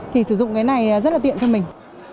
thì sử dụng cái này rất là tiện cho mình